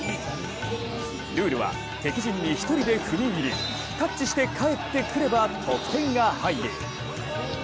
ルールは敵陣に１人で踏み入り、タッチして帰ってくれば得点が入る。